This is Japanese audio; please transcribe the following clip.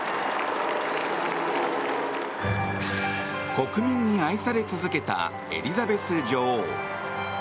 国民に愛され続けたエリザベス女王。